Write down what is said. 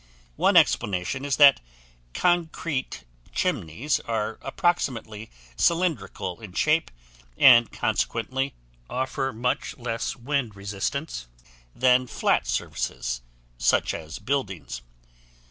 One explanation is that concrete chimneys are approximately cylindrical in shape and consequently offer much less wind resistance than flat surfaces such as buildings.